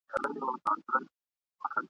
نو په ما به یې تعویذ ولي لیکلای !.